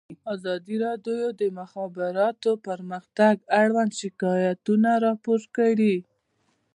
ازادي راډیو د د مخابراتو پرمختګ اړوند شکایتونه راپور کړي.